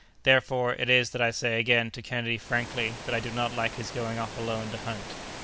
Therefore it is that I say again to Kennedy frankly that I do not like his going off alone to hunt."